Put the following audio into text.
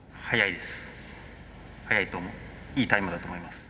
いいタイムだと思います。